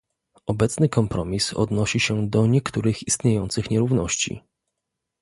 Obecny kompromis odnosi się do niektórych istniejących nierówności